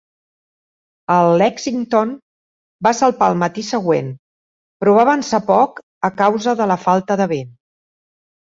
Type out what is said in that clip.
El "Lexington" va salpar el matí següent, però va avançar poc a causa de la falta de vent.